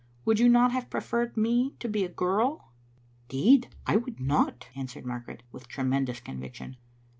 Would you not have preferred me to be a girl?" "'Deed I would not," answered Margaret, with tre mendous conviction.